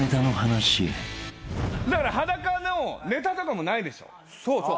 だから裸のネタとかもないでしょ。